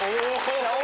お。